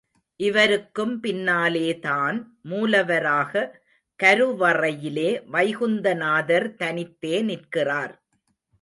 இவருக்கும் பின்னாலேதான் மூலவராக கருவறையிலே வைகுந்த நாதர் தனித்தே நிற்கிறார்.